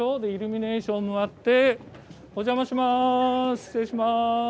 失礼します。